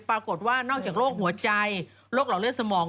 ปรากฏว่านอกจากโรคหัวใจโรคหลอดเลือดสมอง